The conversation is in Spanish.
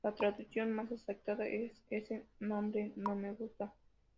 La traducción más aceptada es "Ese nombre no me gusta".